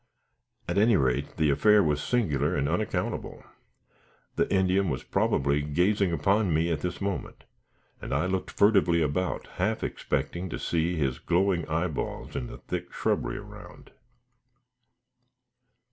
At any rate, the affair was singular and unaccountable. The Indian was probably gazing upon me this moment, and I looked furtively about, half expecting to see his glowing eye balls in the thick shrubbery around.